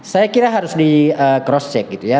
saya kira harus di cross check gitu ya